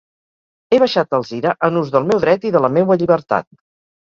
He baixat a Alzira en ús del meu dret i de la meua llibertat.